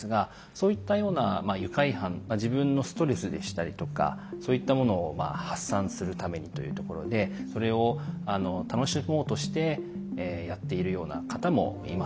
そういったようなまあ愉快犯自分のストレスでしたりとかそういったものをまあ発散するためにというところでそれをあの楽しもうとしてやっているような方もいます。